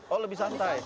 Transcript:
oh lebih santai